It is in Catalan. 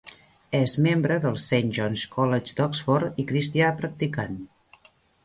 És membre del Saint John's College d'Oxford i cristià practicant.